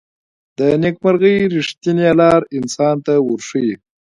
د نیکمرغۍ ریښتینې لاره انسان ته ورښيي.